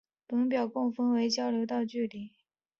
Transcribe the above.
本表共分为交流道距离。